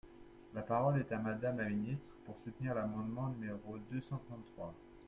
La parole est à Madame la ministre, pour soutenir l’amendement numéro deux cent trente-trois.